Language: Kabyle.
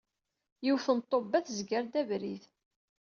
Yiwet n ṭṭubba tezger-d abrid.